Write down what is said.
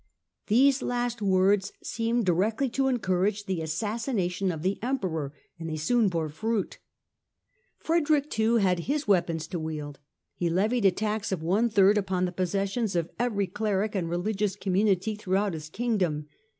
These last words seemed directly to encourage the assassination of the Emperor and they soon bore fruit. Frederick, too, had his weapons to wield. He levied a tax of one third upon the possessions of every cleric and religious community throughout his Kingdom.